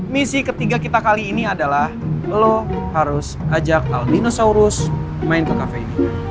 misi ketiga kita kali ini adalah lo harus ajak albinosaurus main ke cafe ini